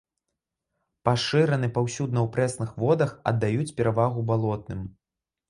Пашыраны паўсюдна ў прэсных водах, аддаюць перавагу балотным.